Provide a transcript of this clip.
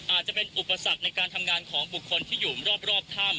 อาจจะเป็นอุปสรรคในการทำงานของบุคคลที่อยู่รอบถ้ำ